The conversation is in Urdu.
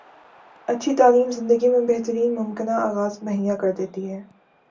اچھی تعلیم زندگی میں بہترین ممکنہ آغاز مہیا کردیتی ہے